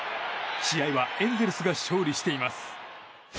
試合はエンゼルスが勝利しています。